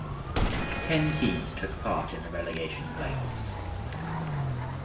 Ten teams took part in the relegation playoffs.